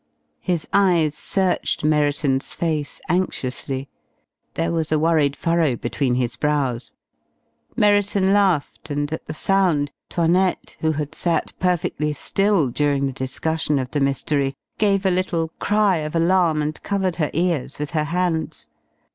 His eyes searched Merriton's face anxiously. There was a worried furrow between his brows. Merriton laughed, and at the sound, 'Toinette, who had sat perfectly still during the discussion of the mystery, gave a little cry of alarm and covered her ears with her hands.